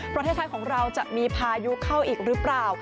ประเทศไทยของเราจะมีพายุเข้าอีกหรือเปล่า